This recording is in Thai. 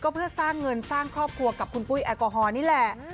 เพื่อสร้างเงินสร้างครอบครัวกับคุณปุ้ยแอลกอฮอลนี่แหละ